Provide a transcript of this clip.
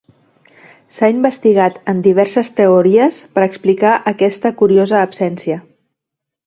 S'ha investigat en diverses teories per explicar aquesta curiosa absència.